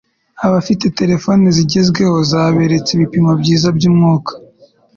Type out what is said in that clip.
Abafite telephone zigezweho zaberetse ibipimo byiza by'umwuka –